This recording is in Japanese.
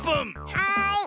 はい。